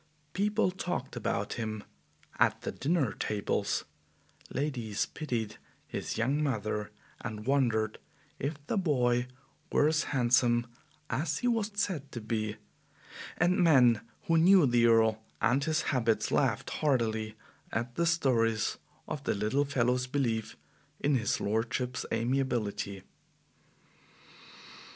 People talked about him at the dinner tables, ladies pitied his young mother, and wondered if the boy were as handsome as he was said to be, and men who knew the Earl and his habits laughed heartily at the stories of the little fellow's belief in his lordship's amiability.